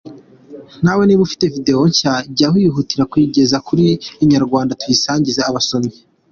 Nawe niba ufite Video nshya, jya wihutira kuyigeza ku Inyarwanda tuyisangize abasomyi.